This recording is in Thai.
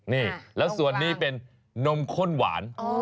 นี่แล้วส่วนนี้เป็นนมข้นหวาน